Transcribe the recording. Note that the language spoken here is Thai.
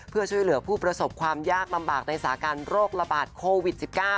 เพื่อช่วยเหลือผู้ประสบความยากลำบากในสาการโรคระบาดโควิด๑๙